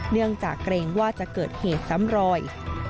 เนื่องจากเกรงว่าจะเกิดเหตุซ้ำรอย